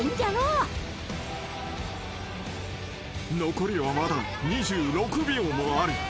［残りはまだ２６秒もある］